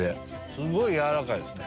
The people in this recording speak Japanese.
すごい軟らかいですね。